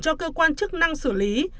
cho cơ quan chức năng xử lý